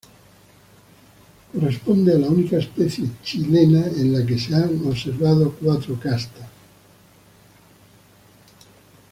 Corresponde a la única especie chilena en la que se han observado cuatro castas.